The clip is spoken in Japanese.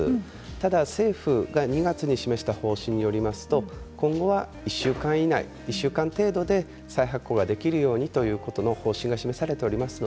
ただ、政府が２月に示した方針によりますと今後は１週間程度で再発行できるようにという方針が示されています。